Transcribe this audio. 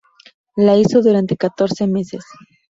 Lo hizo durante catorce meses.